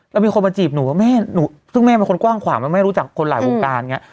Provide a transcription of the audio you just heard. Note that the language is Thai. แล้วมีคนมาจีบหนูว่าแม่ซึ่งแม่เป็นคนกว้างขวางมันไม่รู้จักคนหลายวงการอย่างนี้